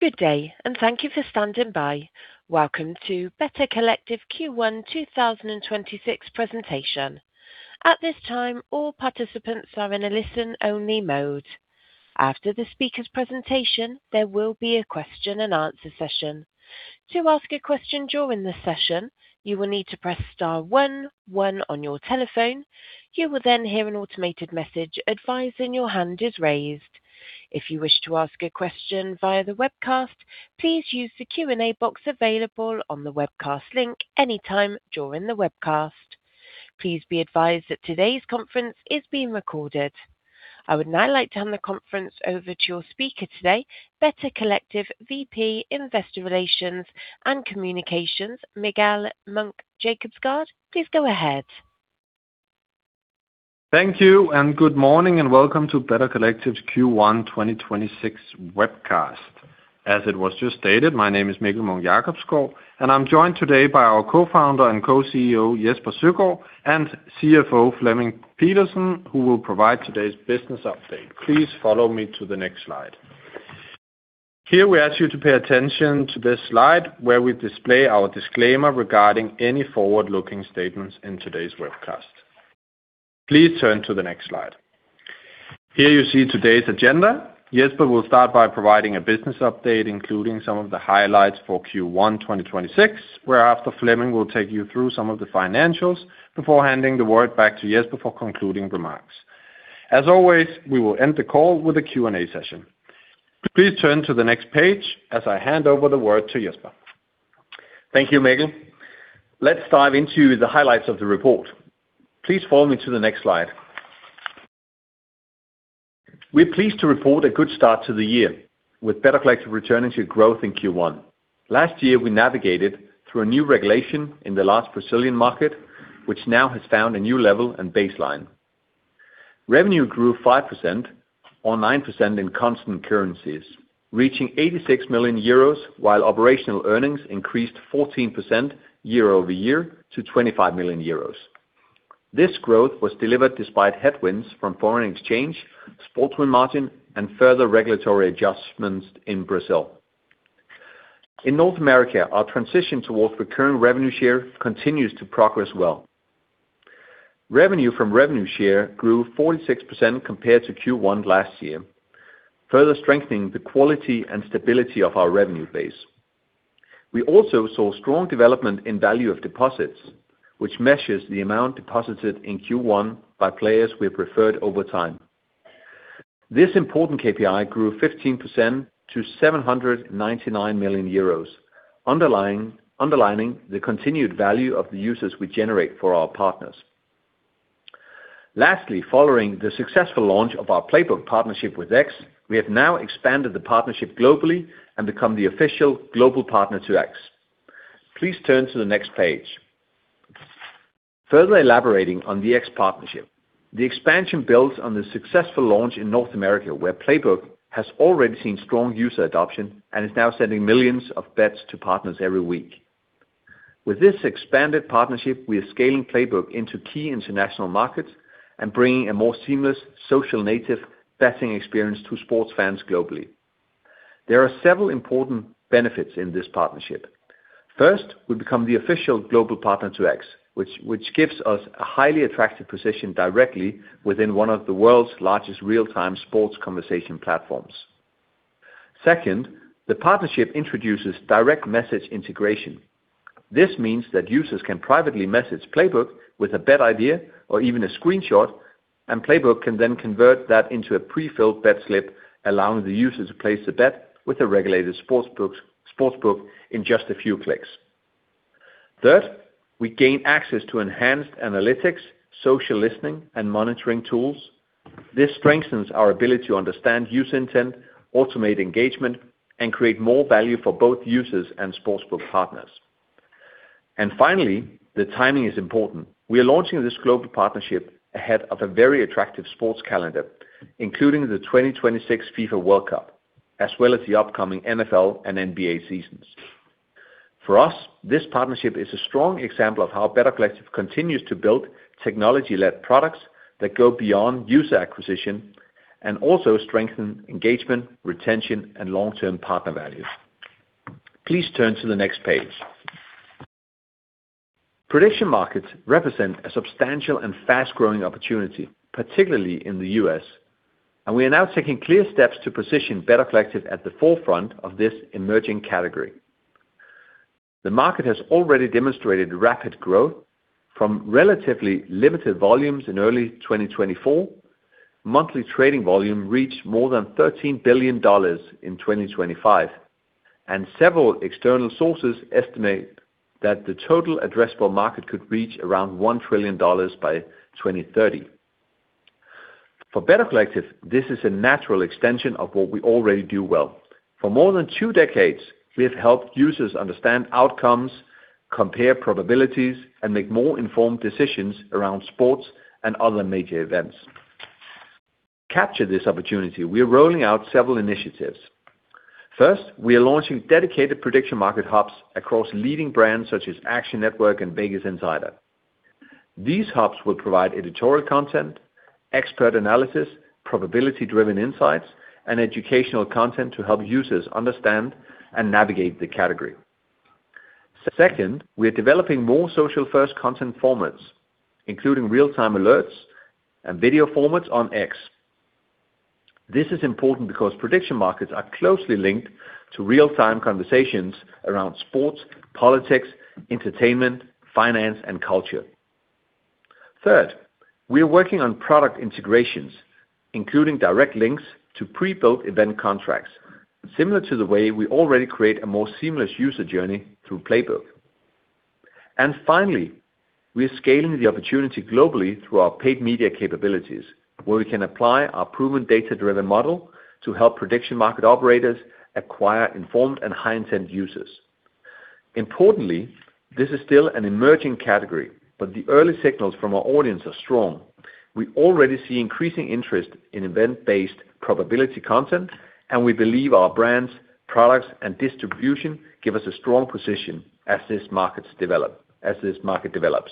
Good day, and thank you for standing by. Welcome to Better Collective Q1 2026 presentation. At this time, all participants are in a listen-only mode. After the speaker's presentation, there will be a question-and-answer session. To ask a question during the session, you will need to press star one one on your telephone. If you wish to ask a question via the webcast, please use the Q&A box available on the webcast link any time during the webcast. Please be advised that today's conference is being recorded. I would now like to hand the conference over to your speaker today, Better Collective VP Investor Relations and Communications, Mikkel Munch-Jacobsgaard. Please go ahead. Thank you, good morning, and welcome to Better Collective's Q1 2026 webcast. As it was just stated, my name is Mikkel Munch-Jacobsgaard, and I'm joined today by our Co-Founder and Co-CEO, Jesper Søgaard, and CFO, Flemming Pedersen, who will provide today's business update. Please follow me to the next slide. Here we ask you to pay attention to this slide where we display our disclaimer regarding any forward-looking statements in today's webcast. Please turn to the next slide. Here you see today's agenda. Jesper will start by providing a business update, including some of the highlights for Q1 2026, whereafter Flemming will take you through some of the financials before handing the word back to Jesper for concluding remarks. As always, we will end the call with a Q&A session. Please turn to the next page as I hand over the word to Jesper. Thank you, Mikkel. Let's dive into the highlights of the report. Please follow me to the next slide. We're pleased to report a good start to the year, with Better Collective returning to growth in Q1. Last year, we navigated through a new regulation in the large Brazilian market, which now has found a new level and baseline. Revenue grew 5% or 9% in constant currencies, reaching 86 million euros, while operational earnings increased 14% year-over-year to 25 million euros. This growth was delivered despite headwinds from foreign exchange, sports win margin, and further regulatory adjustments in Brazil. In North America, our transition towards recurring revenue share continues to progress well. Revenue from revenue share grew 46% compared to Q1 last year, further strengthening the quality and stability of our revenue base. We also saw strong development in value of deposits, which measures the amount deposited in Q1 by players we have referred over time. This important KPI grew 15% to 799 million euros, underlining the continued value of the users we generate for our partners. Lastly, following the successful launch of our Playbook partnership with X, we have now expanded the partnership globally and become the official global partner to X. Please turn to the next page. Further elaborating on the X partnership, the expansion builds on the successful launch in North America, where Playbook has already seen strong user adoption and is now sending millions of bets to partners every week. With this expanded partnership, we are scaling Playbook into key international markets and bringing a more seamless social-native betting experience to sports fans globally. There are several important benefits in this partnership. First, we become the official global partner to X, which gives us a highly attractive position directly within one of the world's largest real-time sports conversation platforms. Second, the partnership introduces direct message integration. This means that users can privately message Playbook with a bet idea or even a screenshot, and Playbook can then convert that into a pre-filled bet slip, allowing the user to place a bet with a regulated sportsbook in just a few clicks. Third, we gain access to enhanced analytics, social listening, and monitoring tools. This strengthens our ability to understand user intent, automate engagement, and create more value for both users and sportsbook partners. Finally, the timing is important. We are launching this global partnership ahead of a very attractive sports calendar, including the 2026 FIFA World Cup, as well as the upcoming NFL and NBA seasons. For us, this partnership is a strong example of how Better Collective continues to build technology-led products that go beyond user acquisition and also strengthen engagement, retention, and long-term partner values. Please turn to the next page. Prediction markets represent a substantial and fast-growing opportunity, particularly in the U.S., and we are now taking clear steps to position Better Collective at the forefront of this emerging category. The market has already demonstrated rapid growth from relatively limited volumes in early 2024. Monthly trading volume reached more than $13 billion in 2025, and several external sources estimate that the total addressable market could reach around $1 trillion by 2030. For Better Collective, this is a natural extension of what we already do well. For more than two decades, we have helped users understand outcomes, compare probabilities, and make more informed decisions around sports and other major events. Capture this opportunity. We are rolling out several initiatives. First, we are launching dedicated prediction market hubs across leading brands such as Action Network and VegasInsider. These hubs will provide editorial content, expert analysis, probability-driven insights, and educational content to help users understand and navigate the category. Second, we are developing more social-first content formats, including real-time alerts and video formats on X. This is important because prediction markets are closely linked to real-time conversations around sports, politics, entertainment, finance, and culture. Third, we are working on product integrations, including direct links to pre-built event contracts, similar to the way we already create a more seamless user journey through Playbook. Finally, we are scaling the opportunity globally through our paid media capabilities, where we can apply our proven data-driven model to help prediction market operators acquire informed and high-intent users. Importantly, this is still an emerging category, but the early signals from our audience are strong. We already see increasing interest in event-based probability content, and we believe our brands, products, and distribution give us a strong position as this market develops.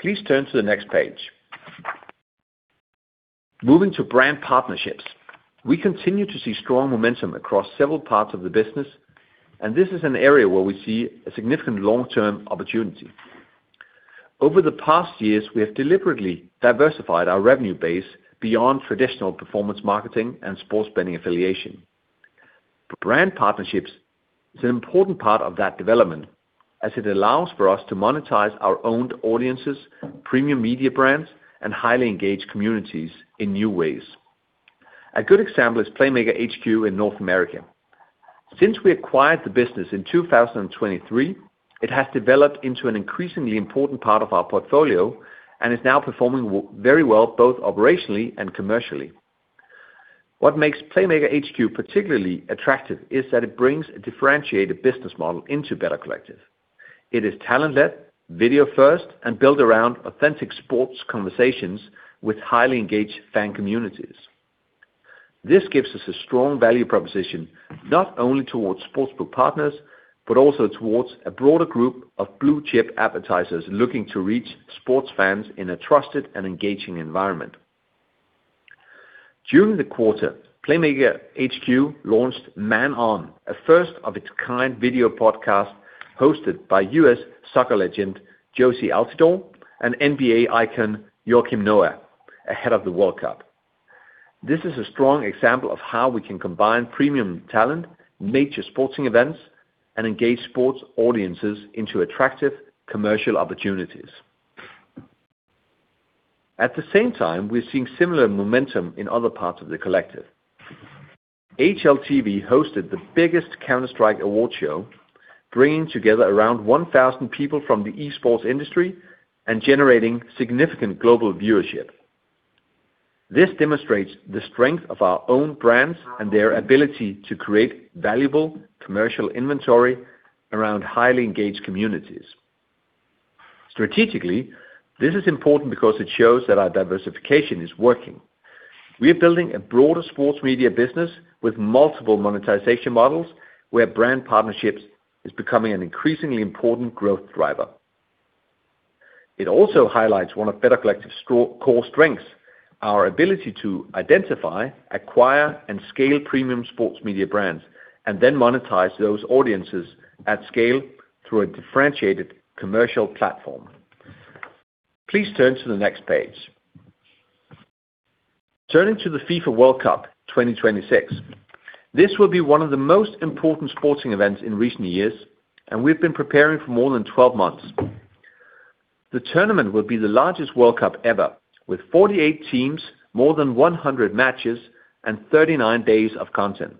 Please turn to the next page. Moving to brand partnerships, we continue to see strong momentum across several parts of the business, and this is an area where we see a significant long-term opportunity. Over the past years, we have deliberately diversified our revenue base beyond traditional performance marketing and sports betting affiliation. Brand partnerships is an important part of that development, as it allows for us to monetize our owned audiences, premium media brands, and highly engaged communities in new ways. A good example is Playmaker HQ in North America. Since we acquired the business in 2023, it has developed into an increasingly important part of our portfolio and is now performing very well both operationally and commercially. What makes Playmaker HQ particularly attractive is that it brings a differentiated business model into Better Collective. It is talent-led, video-first, and built around authentic sports conversations with highly engaged fan communities. This gives us a strong value proposition not only towards sportsbook partners, but also towards a broader group of blue-chip advertisers looking to reach sports fans in a trusted and engaging environment. During the quarter, Playmaker HQ launched Man On, a first-of-its-kind video podcast hosted by U.S. soccer legend Jozy Altidore and NBA icon Joakim Noah ahead of the World Cup. This is a strong example of how we can combine premium talent, major sporting events, and engage sports audiences into attractive commercial opportunities. At the same time, we are seeing similar momentum in other parts of the collective. HLTV hosted the biggest Counter-Strike award show, bringing together around 1,000 people from the esports industry and generating significant global viewership. This demonstrates the strength of our own brands and their ability to create valuable commercial inventory around highly engaged communities. Strategically, this is important because it shows that our diversification is working. We are building a broader sports media business with multiple monetization models, where brand partnerships is becoming an increasingly important growth driver. It also highlights one of Better Collective's core strengths, our ability to identify, acquire, and scale premium sports media brands, and then monetize those audiences at scale through a differentiated commercial platform. Please turn to the next page. Turning to the FIFA World Cup 2026. This will be one of the most important sporting events in recent years, and we've been preparing for more than 12 months. The tournament will be the largest World Cup ever, with 48 teams, more than 100 matches, and 39 days of content.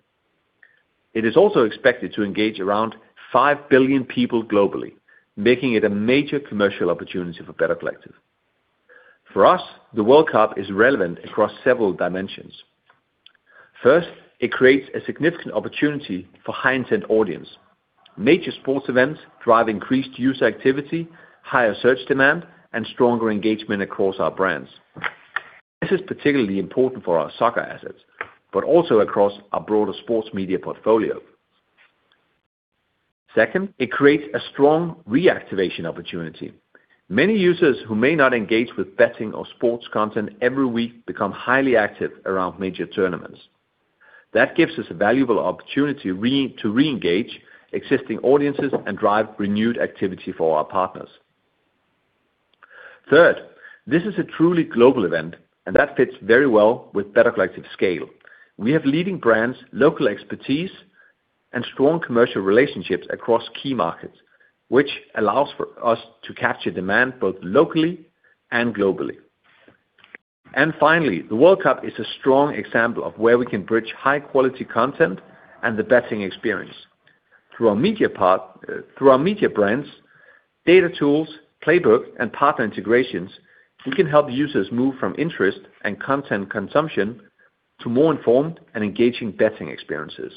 It is also expected to engage around 5 billion people globally, making it a major commercial opportunity for Better Collective. For us, the World Cup is relevant across several dimensions. First, it creates a significant opportunity for high-intent audience. Major sports events drive increased user activity, higher search demand, and stronger engagement across our brands. This is particularly important for our soccer assets, but also across our broader sports media portfolio. Second, it creates a strong reactivation opportunity. Many users who may not engage with betting or sports content every week become highly active around major tournaments. That gives us a valuable opportunity to re-engage existing audiences and drive renewed activity for our partners. Third, this is a truly global event, and that fits very well with Better Collective's scale. We have leading brands, local expertise, and strong commercial relationships across key markets, which allows for us to capture demand both locally and globally. Finally, the World Cup is a strong example of where we can bridge high-quality content and the betting experience. Through our media brands, data tools, Playbook, and partner integrations, we can help users move from interest and content consumption to more informed and engaging betting experiences.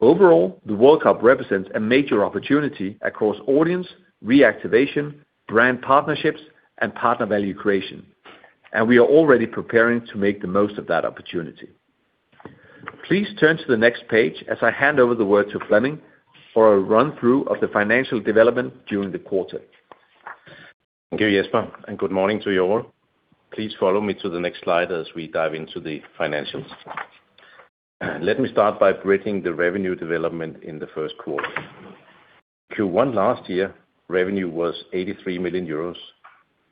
Overall, the World Cup represents a major opportunity across audience reactivation, brand partnerships, and partner value creation, and we are already preparing to make the most of that opportunity. Please turn to the next page as I hand over the word to Flemming for a run-through of the financial development during the quarter. Thank you, Jesper, and good morning to you all. Please follow me to the next slide as we dive into the financials. Let me start by breaking the revenue development in the first quarter. Q1 last year, revenue was 83 million euros.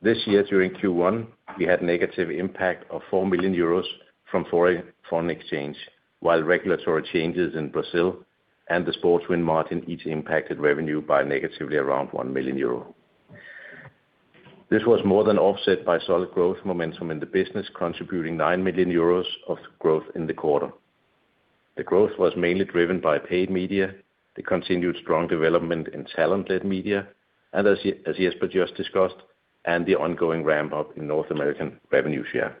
This year, during Q1, we had negative impact of 4 million euros from foreign exchange, while regulatory changes in Brazil and the sports win margin each impacted revenue by negatively around 1 million euro. This was more than offset by solid growth momentum in the business, contributing 9 million euros of growth in the quarter. The growth was mainly driven by paid media, the continued strong development in talent-led media, and as Jesper just discussed, the ongoing ramp-up in North American revenue share.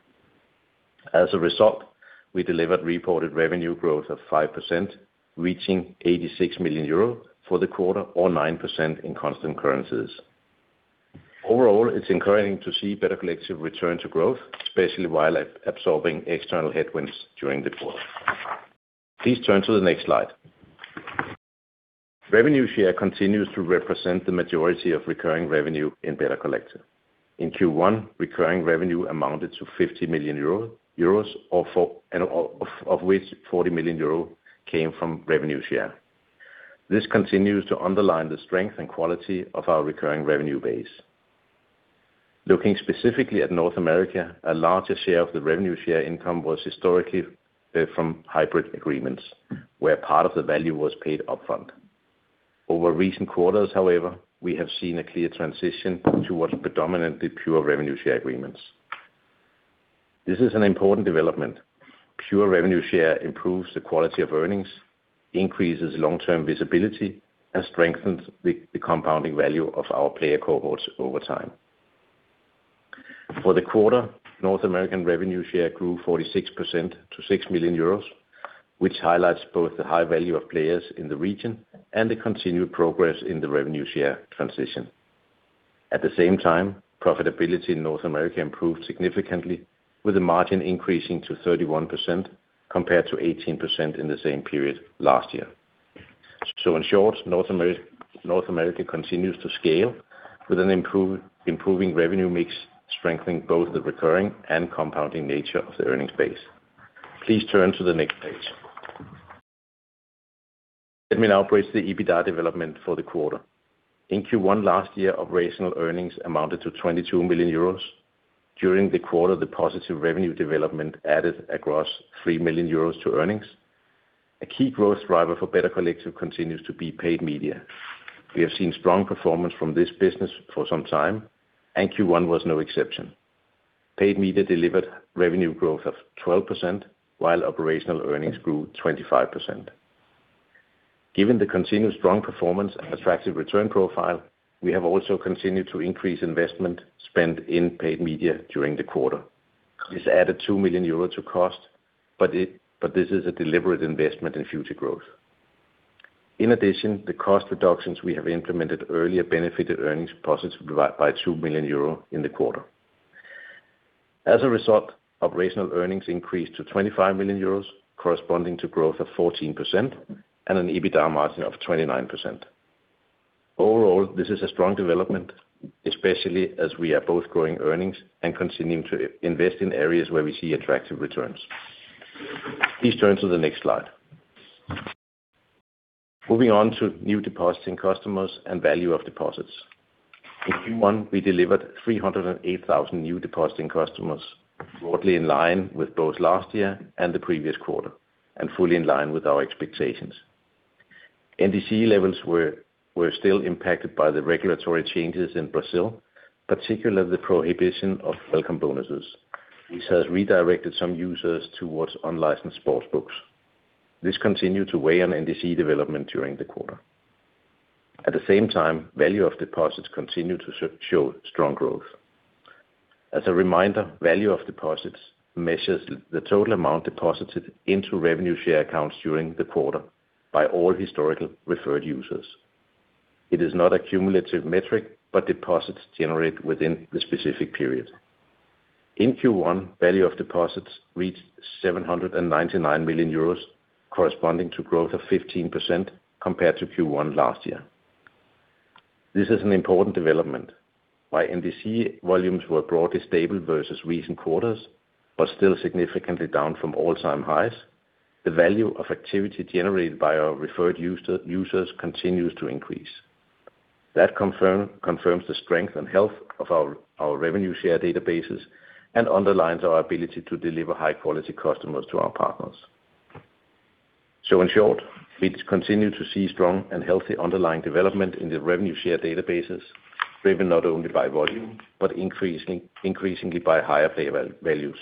As a result, we delivered reported revenue growth of 5%, reaching 86 million euro for the quarter, or 9% in constant currencies. Overall, it's encouraging to see Better Collective return to growth, especially while absorbing external headwinds during the quarter. Please turn to the next slide. Revenue share continues to represent the majority of recurring revenue in Better Collective. In Q1, recurring revenue amounted to 50 million euro, of which 40 million euro came from revenue share. This continues to underline the strength and quality of our recurring revenue base. Looking specifically at North America, a larger share of the revenue share income was historically from hybrid agreements, where part of the value was paid upfront. Over recent quarters, however, we have seen a clear transition towards predominantly pure revenue share agreements. This is an important development. Pure revenue share improves the quality of earnings, increases long-term visibility, and strengthens the compounding value of our player cohorts over time. For the quarter, North American revenue share grew 46% to 6 million euros, which highlights both the high value of players in the region and the continued progress in the revenue share transition. At the same time, profitability in North America improved significantly with the margin increasing to 31% compared to 18% in the same period last year. In short, North America continues to scale with an improving revenue mix, strengthening both the recurring and compounding nature of the earnings base. Please turn to the next page. Let me now break the EBITDA development for the quarter. In Q1 last year, operational earnings amounted to 22 million euros. During the quarter, the positive revenue development added across 3 million euros to earnings. A key growth driver for Better Collective continues to be paid media. We have seen strong performance from this business for some time, and Q1 was no exception. Paid media delivered revenue growth of 12%, while operational earnings grew 25%. Given the continued strong performance and attractive return profile, we have also continued to increase investment spend in paid media during the quarter. This added 2 million euro to cost, but this is a deliberate investment in future growth. In addition, the cost reductions we have implemented earlier benefited earnings positively by 2 million euro in the quarter. As a result, operational earnings increased to 25 million euros, corresponding to growth of 14% and an EBITDA margin of 29%. Overall, this is a strong development, especially as we are both growing earnings and continuing to invest in areas where we see attractive returns. Please turn to the next slide. Moving on to new depositing customers and value of deposits. In Q1, we delivered 308,000 new depositing customers, broadly in line with both last year and the previous quarter, fully in line with our expectations. NDC levels were still impacted by the regulatory changes in Brazil, particularly the prohibition of welcome bonuses. This has redirected some users towards unlicensed sportsbooks. This continued to weigh on NDC development during the quarter. At the same time, value of deposits continued to show strong growth. As a reminder, value of deposits measures the total amount deposited into revenue share accounts during the quarter by all historical referred users. It is not a cumulative metric, deposits generated within the specific period. In Q1, value of deposits reached 799 million euros, corresponding to growth of 15% compared to Q1 last year. This is an important development. NDC volumes were broadly stable versus recent quarters, but still significantly down from all-time highs, the value of activity generated by our referred users continues to increase. Confirms the strength and health of our revenue share databases and underlines our ability to deliver high-quality customers to our partners. In short, we continue to see strong and healthy underlying development in the revenue share databases, driven not only by volume, but increasingly by higher payer values.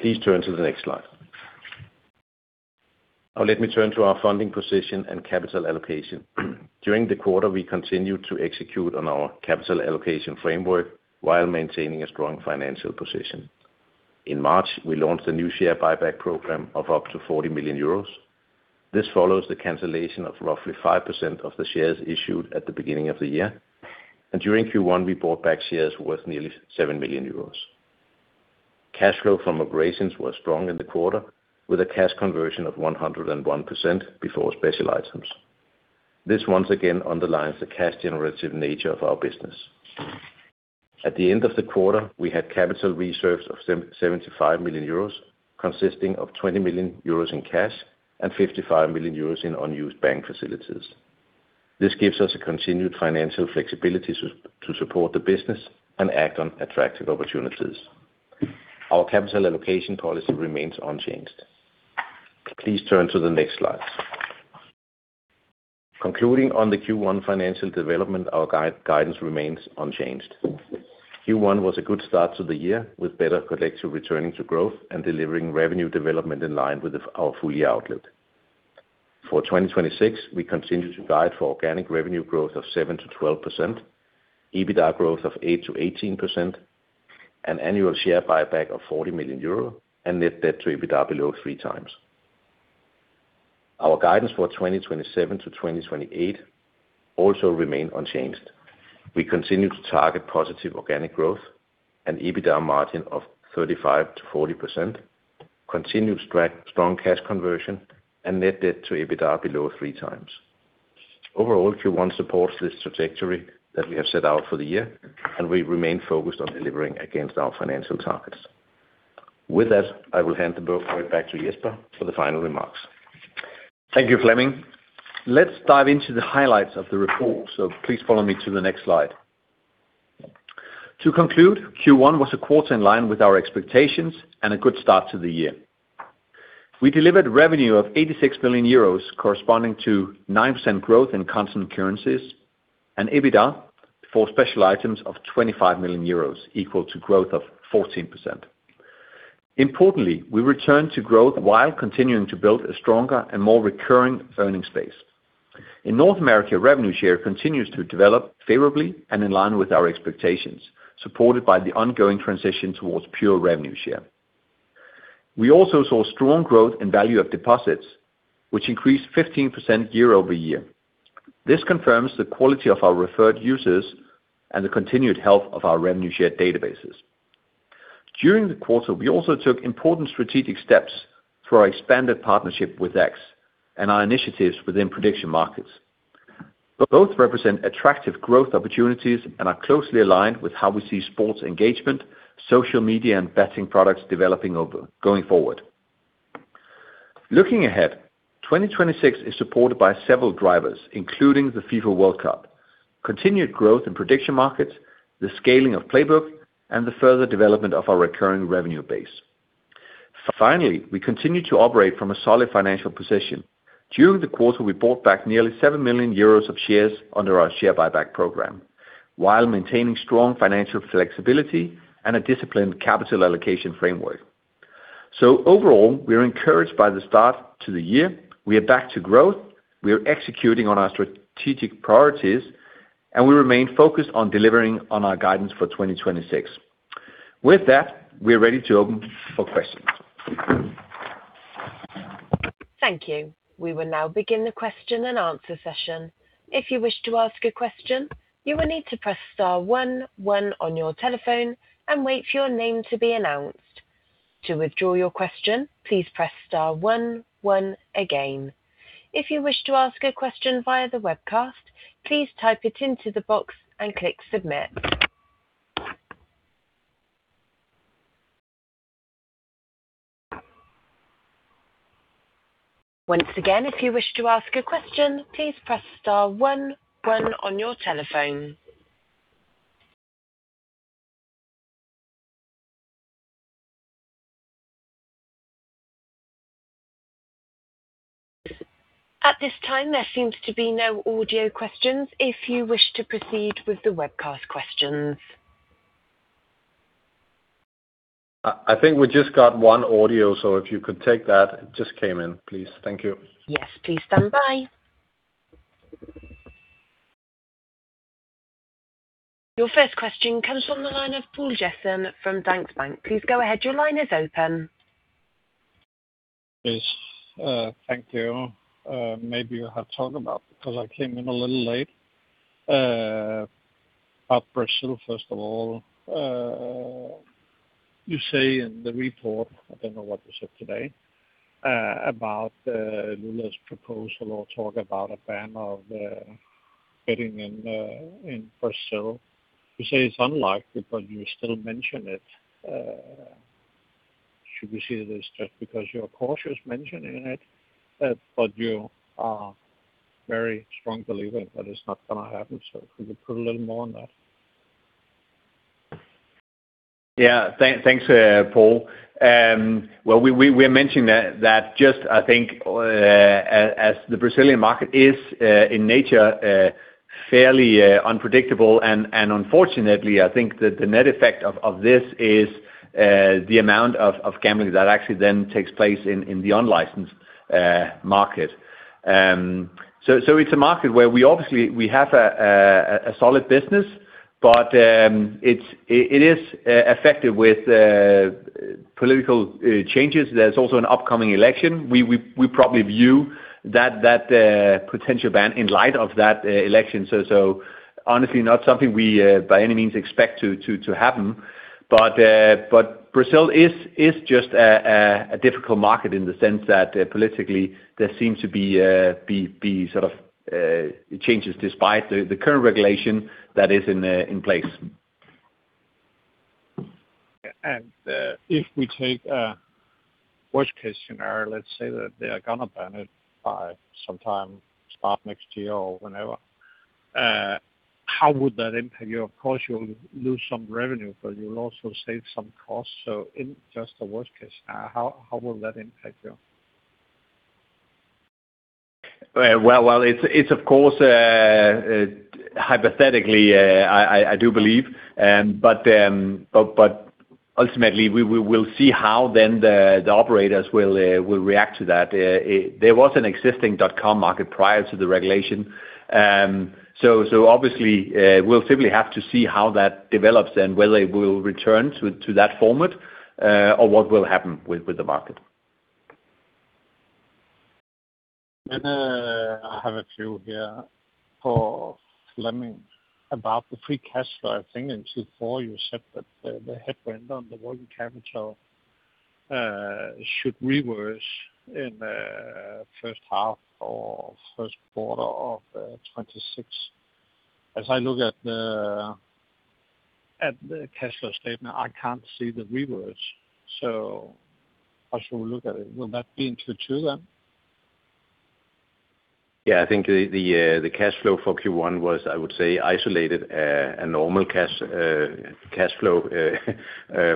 Please turn to the next slide. Let me turn to our funding position and capital allocation. During the quarter, we continued to execute on our capital allocation framework while maintaining a strong financial position. In March, we launched a new share buyback program of up to 40 million euros. This follows the cancellation of roughly 5% of the shares issued at the beginning of the year. During Q1, we bought back shares worth nearly 7 million euros. Cash flow from operations was strong in the quarter, with a cash conversion of 101% before special items. This once again underlines the cash generative nature of our business. At the end of the quarter, we had capital reserves of 75 million euros, consisting of 20 million euros in cash and 55 million euros in unused bank facilities. This gives us a continued financial flexibility to support the business and act on attractive opportunities. Our capital allocation policy remains unchanged. Please turn to the next slide. Concluding on the Q1 financial development, our guidance remains unchanged. Q1 was a good start to the year, with Better Collective returning to growth and delivering revenue development in line with our full-year outlook. For 2026, we continue to guide for organic revenue growth of 7%-12%, EBITDA growth of 8%-18%, and annual share buyback of 40 million euro, and net debt to EBITDA below 3x. Our guidance for 2027-2028 also remain unchanged. We continue to target positive organic growth and EBITDA margin of 35%-40%, continued strong cash conversion, and net debt to EBITDA below 3x. Overall, Q1 supports this trajectory that we have set out for the year, and we remain focused on delivering against our financial targets. With that, I will hand the ball back to Jesper for the final remarks. Thank you, Flemming. Let's dive into the highlights of the report. Please follow me to the next slide. To conclude, Q1 was a quarter in line with our expectations and a good start to the year. We delivered revenue of 86 million euros, corresponding to 9% growth in constant currencies, and EBITDA for special items of 25 million euros, equal to growth of 14%. Importantly, we returned to growth while continuing to build a stronger and more recurring earning space. In North America, revenue share continues to develop favorably and in line with our expectations, supported by the ongoing transition towards pure revenue share. We also saw strong growth in value of deposits, which increased 15% year-over-year. This confirms the quality of our referred users and the continued health of our revenue share databases. During the quarter, we also took important strategic steps through our expanded partnership with X and our initiatives within prediction markets. Both represent attractive growth opportunities and are closely aligned with how we see sports engagement, social media, and betting products developing going forward. Looking ahead, 2026 is supported by several drivers, including the FIFA World Cup, continued growth in prediction markets, the scaling of Playbook, and the further development of our recurring revenue base. We continue to operate from a solid financial position. During the quarter, we bought back nearly 7 million euros of shares under our share buyback program while maintaining strong financial flexibility and a disciplined capital allocation framework. Overall, we are encouraged by the start to the year. We are back to growth, we are executing on our strategic priorities, and we remain focused on delivering on our guidance for 2026. With that, we are ready to open for questions. Thank you. We will now begin the question-and-answer session. If you wish to ask a question, you will need to press star one one on your telephone and wait for your name to be announced. To withdraw your question, please press star one one again. If you wish to ask a question via the webcast, please type it into the box and click submit. Once again, if you wish to ask a question, please press star one one on your telephone. At this time, there seems to be no audio questions. If you wish to proceed with the webcast questions. I think we just got one audio, so if you could take that. It just came in, please. Thank you. Yes, please stand by. Your first question comes from the line of Poul Jessen from Danske Bank. Please go ahead. Your line is open. Yes. Thank you. Maybe you have talked about, because I came in a little late, about Brazil, first of all. You say in the report, I don't know what was said today, about Lula's proposal or talk about a ban of betting in Brazil. You say it's unlikely, but you still mention it. Should we see this just because you're cautious mentioning it, but you are very strong believer that it's not going to happen? Could you put a little more on that? Thanks, Poul. Well, we are mentioning that just, I think as the Brazilian market is in nature fairly unpredictable, and unfortunately, I think that the net effect of this is the amount of gambling that actually then takes place in the unlicensed market. It's a market where we obviously have a solid business, but it is affected with political changes. There's also an upcoming election. We probably view that potential ban in light of that election. Honestly, not something we, by any means, expect to happen. Brazil is just a difficult market in the sense that politically there seems to be changes despite the current regulation that is in place. If we take a worst-case scenario, let's say that they are going to ban it by sometime start next year or whenever, how would that impact you? Of course, you'll lose some revenue, but you'll also save some costs. In just the worst case, how will that impact you? Well, it's of course hypothetically, I do believe. Ultimately, we will see how then the operators will react to that. There was an existing dot-com market prior to the regulation. Obviously, we'll simply have to see how that develops and whether it will return to that format or what will happen with the market. I have a few here for Flemming about the free cash flow. I think in Q4, you said that the headwind on the working capital should reverse in first half or first quarter of 2026. As I look at the cash flow statement, I can't see the reverse. How should we look at it? Will that be in Q2 then? I think the cash flow for Q1 was, I would say, isolated a normal cash flow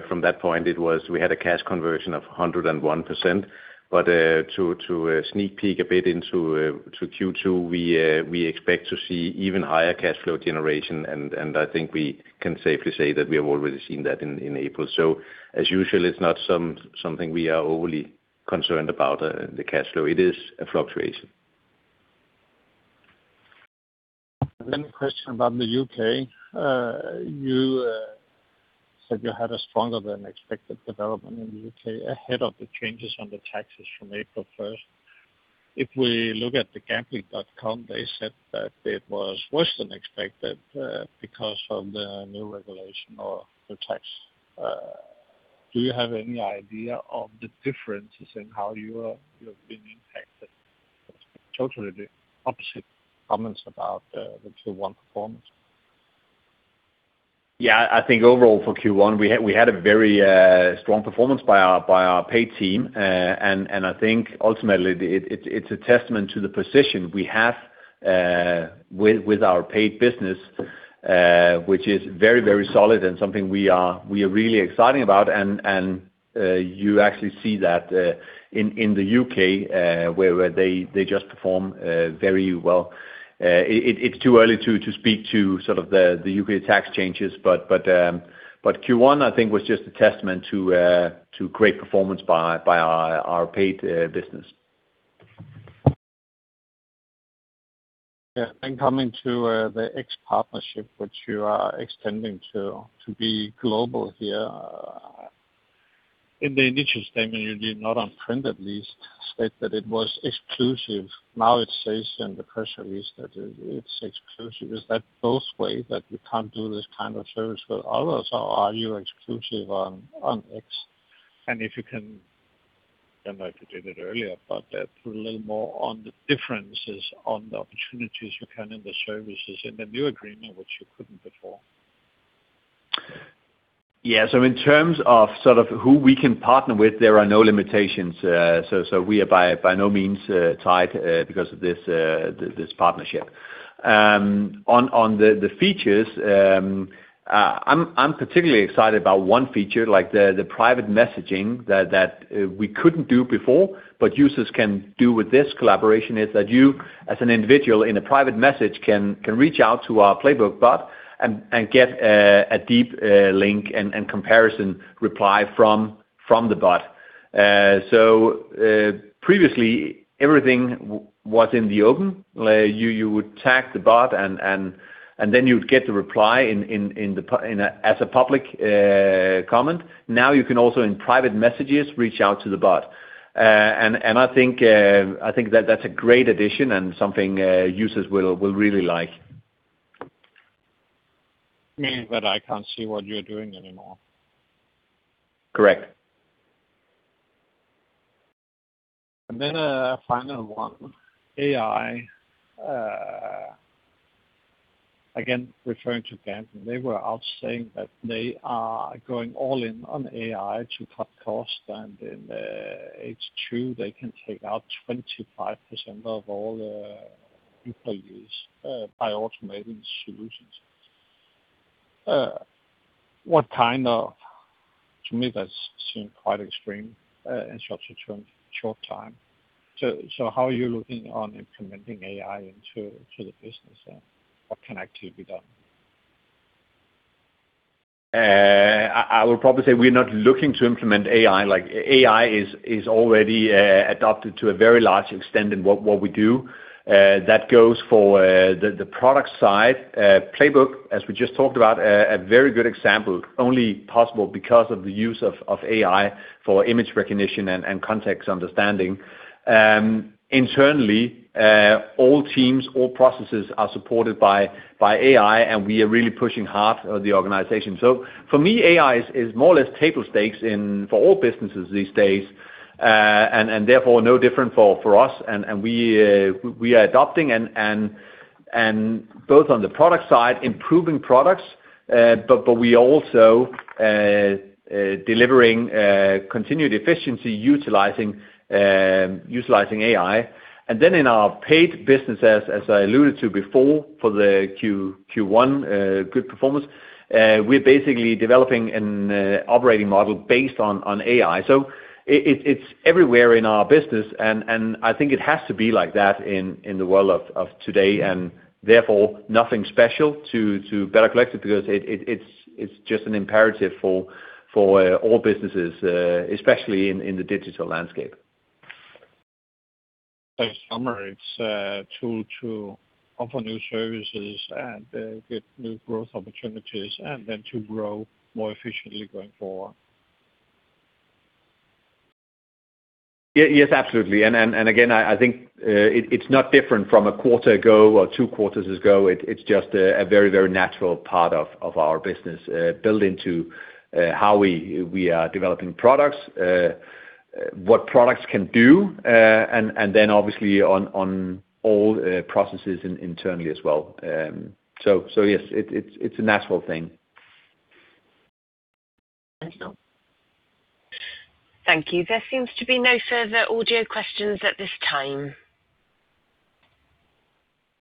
from that point. We had a cash conversion of 101%. To sneak peek a bit into Q2, we expect to see even higher cash flow generation, and I think we can safely say that we have already seen that in April. As usual, it's not something we are overly concerned about the cash flow. It is a fluctuation. A question about the U.K. You said you had a stronger than expected development in the U.K. ahead of the changes on the taxes from April 1st. If we look at the Gambling.com, they said that it was worse than expected because of the new regulation or the tax. Do you have any idea of the differences in how you have been impacted? Totally the opposite comments about the Q1 performance. I think overall for Q1, we had a very strong performance by our paid team. I think ultimately it's a testament to the position we have with our paid business, which is very solid and something we are really excited about. You actually see that in the U.K. where they just perform very well. It's too early to speak to sort of the U.K. tax changes, Q1, I think was just a testament to great performance by our paid business. Yeah. Coming to the X partnership, which you are extending to be global here. In the initial statement you did not on print at least state that it was exclusive. Now it says in the press release that it's exclusive. Is that both way that you can't do this kind of service with others, or are you exclusive on X? If you can, don't know if you did it earlier, but put a little more on the differences on the opportunities you can in the services in the new agreement, which you couldn't before? Yeah. In terms of sort of who we can partner with, there are no limitations. We are by no means tied because of this partnership. On the features, I'm particularly excited about one feature, like the private messaging that we couldn't do before, but users can do with this collaboration is that you, as an individual in a private message can reach out to our Playbook bot and get a deep link and comparison reply from the bot. Previously everything was in the open. You would tag the bot and then you'd get the reply as a public comment. Now you can also in private messages reach out to the bot. I think that's a great addition and something users will really like. Meaning that I can't see what you're doing anymore. Correct. Then a final one, AI. Again, referring to Gambling.com Group, they were out saying that they are going all in on AI to cut costs and in the H2, they can take out 25% of all the employees by automating solutions. To me, that seems quite extreme in such a short time. How are you looking on implementing AI into the business there? What can actually be done? I will probably say we're not looking to implement AI. AI is already adopted to a very large extent in what we do. That goes for the product side. Playbook, as we just talked about, a very good example, only possible because of the use of AI for image recognition and context understanding. Internally, all teams, all processes are supported by AI. We are really pushing hard the organization. For me, AI is more or less table stakes for all businesses these days. Therefore, no different for us. We are adopting, both on the product side, improving products. We also delivering continued efficiency utilizing AI. In our paid business, as I alluded to before for the Q1 good performance, we're basically developing an operating model based on AI. It's everywhere in our business, and I think it has to be like that in the world of today, and therefore, nothing special to Better Collective because it's just an imperative for all businesses, especially in the digital landscape. To summarize, a tool to offer new services and get new growth opportunities, and then to grow more efficiently going forward. Yes, absolutely. Again, I think it's not different from a quarter ago or two quarters ago. It's just a very natural part of our business, built into how we are developing products, what products can do, and then obviously on all processes internally as well. Yes, it's a natural thing. Thank you. There seems to be no further audio questions at this time.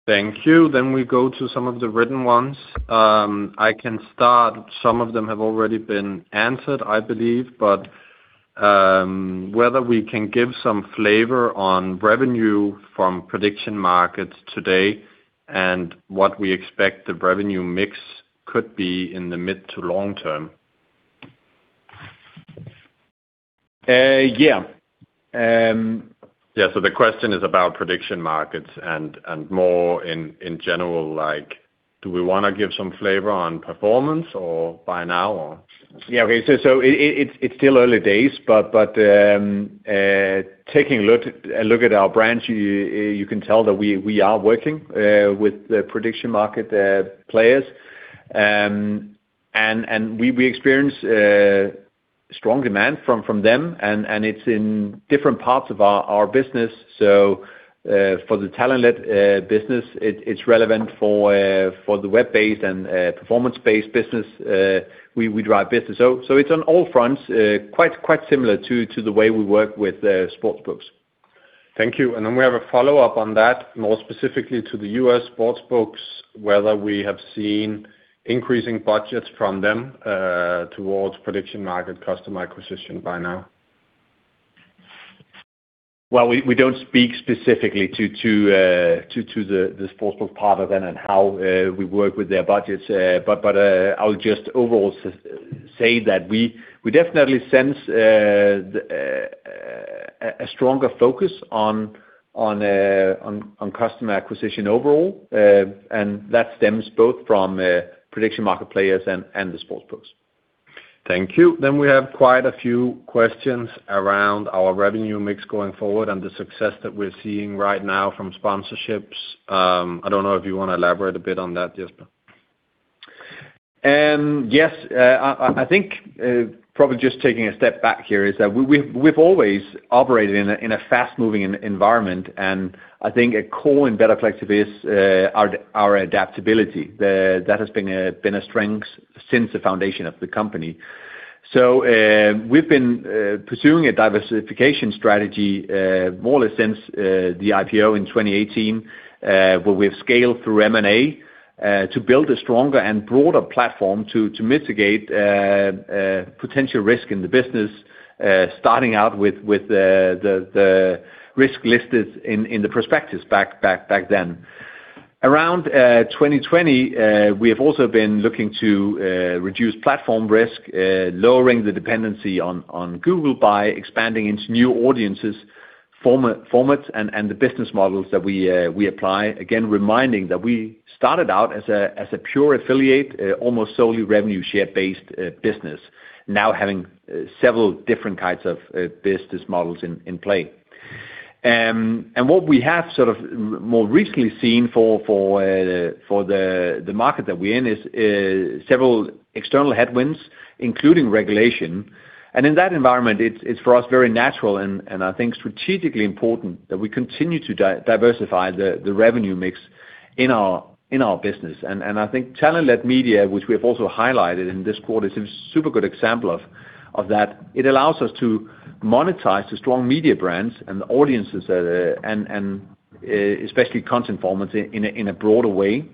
Thank you. We go to some of the written ones. I can start. Some of them have already been answered, I believe, but whether we can give some flavor on revenue from prediction markets today and what we expect the revenue mix could be in the mid to long term. Yeah. Yeah, the question is about prediction markets and more in general, do we want to give some flavor on performance or by now or? Yeah. Okay. It's still early days, but taking a look at our brands, you can tell that we are working with the prediction market players. We experience strong demand from them, and it's in different parts of our business. For the talent-led business, it's relevant for the web-based and performance-based business, we drive business. It's on all fronts, quite similar to the way we work with the sportsbooks. Thank you. We have a follow-up on that, more specifically to the U.S. sportsbooks, whether we have seen increasing budgets from them towards prediction market customer acquisition by now. Well, we don't speak specifically to the sportsbook part of it and how we work with their budgets. I'll just overall say that we definitely sense a stronger focus on customer acquisition overall. That stems both from prediction market players and the sportsbooks. Thank you. We have quite a few questions around our revenue mix going forward and the success that we're seeing right now from sponsorships. I don't know if you want to elaborate a bit on that, Jesper. Yes. I think probably just taking a step back here is that we've always operated in a fast-moving environment, and I think a core in Better Collective is our adaptability. That has been a strength since the foundation of the company. We've been pursuing a diversification strategy more or less since the IPO in 2018, where we've scaled through M&A to build a stronger and broader platform to mitigate potential risk in the business, starting out with the risk listed in the prospectus back then. Around 2020, we have also been looking to reduce platform risk, lowering the dependency on Google by expanding into new audiences, formats, and the business models that we apply. Again, reminding that we started out as a pure affiliate, almost solely revenue share-based business, now having several different kinds of business models in play. What we have sort of more recently seen for the market that we're in is several external headwinds, including regulation. In that environment, it's for us very natural and I think strategically important that we continue to diversify the revenue mix in our business. I think talent-led media, which we have also highlighted in this quarter, is a super good example of that. It allows us to monetize the strong media brands and the audiences, and especially content formats in a broader way.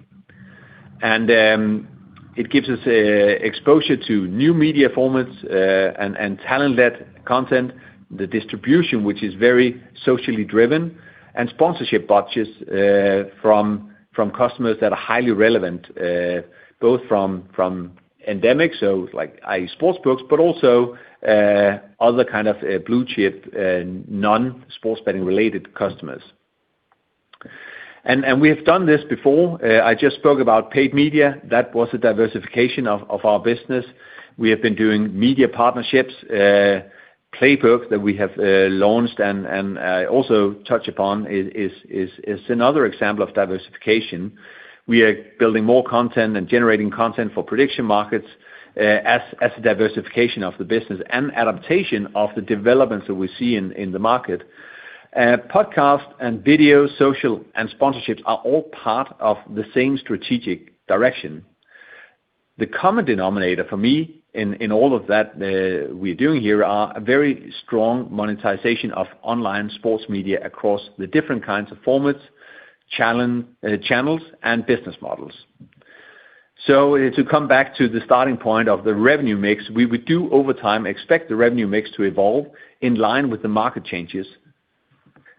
It gives us exposure to new media formats and talent-led content, the distribution, which is very socially driven, and sponsorship purchases from customers that are highly relevant, both from endemic, so like sportsbooks, but also other kind of blue-chip, non-sports betting related customers. We have done this before. I just spoke about paid media. That was a diversification of our business. We have been doing media partnerships, Playbook that we have launched and I also touch upon is another example of diversification. We are building more content and generating content for prediction markets as a diversification of the business and adaptation of the developments that we see in the market. Podcasts and video, social, and sponsorships are all part of the same strategic direction. The common denominator for me in all of that we're doing here are a very strong monetization of online sports media across the different kinds of formats, channels, and business models. To come back to the starting point of the revenue mix, we would do over time, expect the revenue mix to evolve in line with the market changes.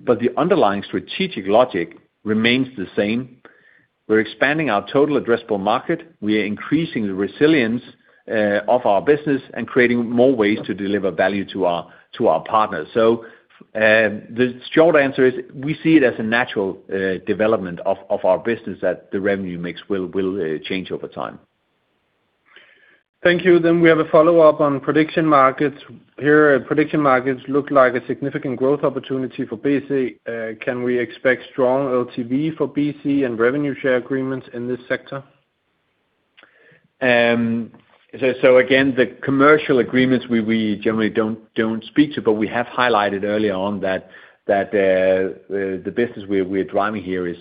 The underlying strategic logic remains the same. We're expanding our total addressable market. We are increasing the resilience of our business and creating more ways to deliver value to our partners. The short answer is we see it as a natural development of our business that the revenue mix will change over time. Thank you. We have a follow-up on prediction markets. Here, prediction markets look like a significant growth opportunity for BC. Can we expect strong LTV for BC and revenue share agreements in this sector? Again, the commercial agreements we generally don't speak to, but we have highlighted early on that the business we're driving here is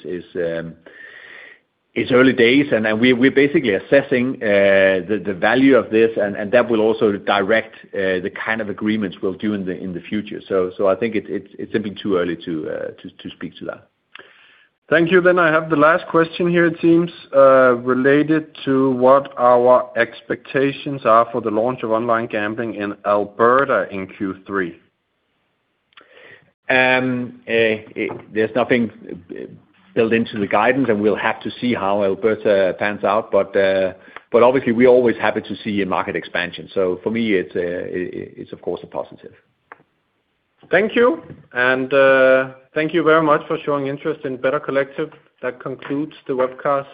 early days, and we're basically assessing the value of this, and that will also direct the kind of agreements we'll do in the future. I think it's simply too early to speak to that. Thank you. I have the last question here it seems, related to what our expectations are for the launch of online gambling in Alberta in Q3. There's nothing built into the guidance, we'll have to see how Alberta pans out. Obviously, we're always happy to see a market expansion. For me, it's of course a positive. Thank you. Thank you very much for showing interest in Better Collective. That concludes the webcast.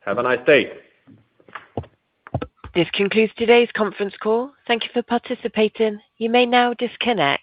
Have a nice day. This concludes today's conference call. Thank you for participating. You may now disconnect.